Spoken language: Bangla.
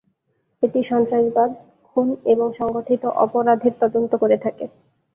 এটি সন্ত্রাসবাদ, খুন, এবং সংগঠিত অপরাধের তদন্ত করে থাকে।